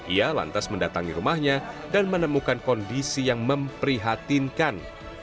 ia lantas mendatangi rumahnya dan menemukan kondisi yang memprihatinkan